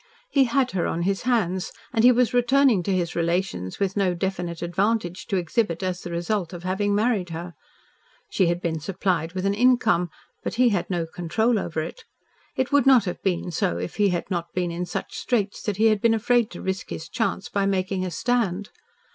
He had her on his hands and he was returning to his relations with no definite advantage to exhibit as the result of having married her. She had been supplied with an income but he had no control over it. It would not have been so if he had not been in such straits that he had been afraid to risk his chance by making a stand.